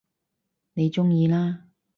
你鍾意啦